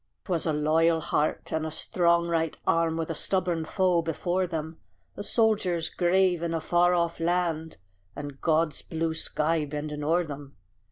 'Twas a loyal heart, and a strong right arm, With a stubborn foe before them; A soldier's grave in a far off land, And God's blue sky bending o'er them.